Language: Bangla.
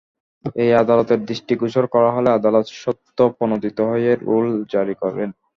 এটি আদালতের দৃষ্টিগোচর করা হলে আদালত স্বতঃপ্রণোদিত হয়ে রুল জারি করেন।